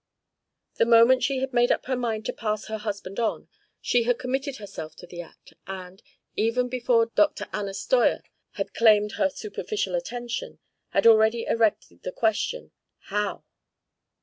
The moment she had made up her mind to pass her husband on, she had committed herself to the act; and, even before Dr. Anna Steuer had claimed her superficial attention, had already erected the question, How?